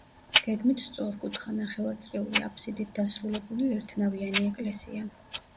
გეგმით სწორკუთხა, ნახევარწრიული აფსიდით დასრულებული ერთნავიანი ეკლესია.